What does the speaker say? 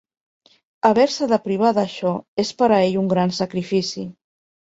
Haver-se de privar d'això és per a ell un gran sacrifici.